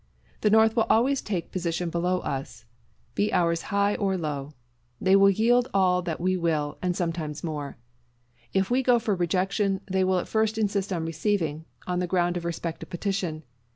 The North will always take position below us, be ours high or low. They will yield all that we will and something more. If we go for rejection, they will at first insist on receiving, on the ground of respect for petition.